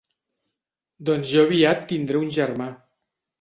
Doncs jo aviat tindré un germà.